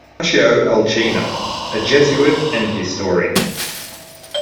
Ignacio Alcina, a Jesuit and historian.